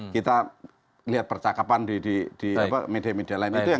kita lihat percakapan di media media lain